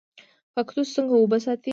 کاکتوس څنګه اوبه ساتي؟